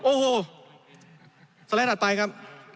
โอ้โหสละต่อไปครับ